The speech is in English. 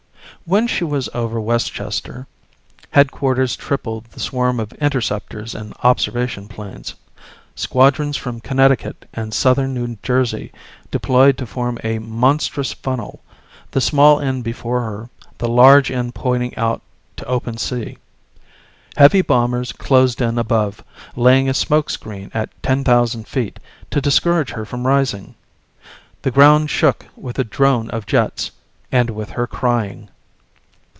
When she was over Westchester, headquarters tripled the swarm of interceptors and observation planes. Squadrons from Connecticut and southern New Jersey deployed to form a monstrous funnel, the small end before her, the large end pointing out to open sea. Heavy bombers closed in above, laying a smoke screen at 10,000 feet to discourage her from rising. The ground shook with the drone of jets, and with her crying.